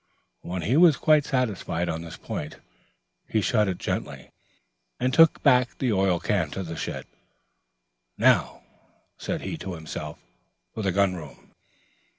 When he was quite satisfied on this point, he shut it gently, and took back the oil can to the shed. "Now," said he to himself, "for the gun room."